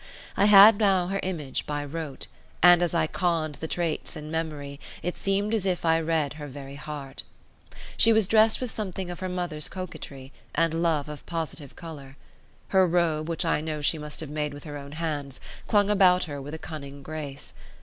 I had now her image by rote, and as I conned the traits in memory it seemed as if I read her very heart. She was dressed with something of her mother's coquetry, and love of positive colour. Her robe, which I know she must have made with her own hands, clung about her with a cunning grace.